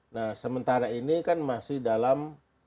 nah sementara ini kan masih dalam